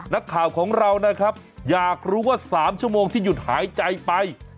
นักข่าวของเรานะครับอยากรู้ว่า๓ชั่วโมงที่หยุดหายใจไป